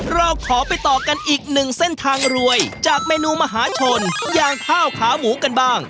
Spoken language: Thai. เราขอไปต่อกันอีกหนึ่งเส้นทางรวยจากเมนูมหาชนอย่างข้าวขาหมูกันบ้าง